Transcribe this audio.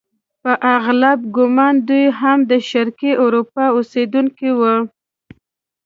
په اغلب ګومان دوی هم د شرقي اروپا اوسیدونکي وو.